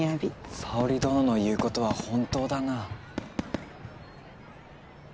沙織殿の言うことは本当だな。